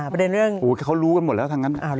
พูดเขารู้กันหมดแล้วทั้งนั้น